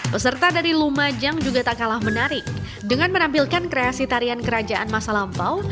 peserta dari lumajang juga tak kalah menarik dengan menampilkan kreasi tarian kerajaan masa lampau